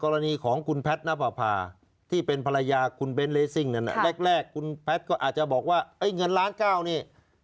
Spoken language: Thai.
แรกคุณแพทย์ก็อาจจะบอกว่าเงินล้านเก้านี่